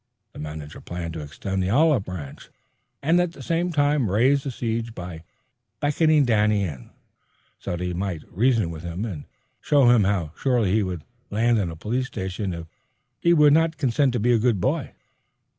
The manager planned to extend the olive branch and at the same time raise the siege by beckoning Danny in, so that he might reason with him and show him how surely he would land in a police station if he would not consent to be a good boy.